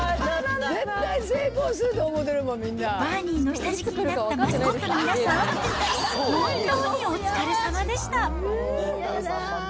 バーニーの下敷きになったマスコットの皆さん、本当にお疲れさまでした。